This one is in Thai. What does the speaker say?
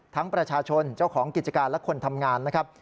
ประชาชนเจ้าของกิจการและคนทำงานนะครับ